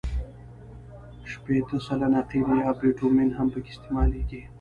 شپېته سلنه قیر یا بټومین هم پکې استعمالیږي